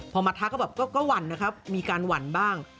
พอมาทักก็แบบก็หวั่นนะครับมีการหวั่นบ้าง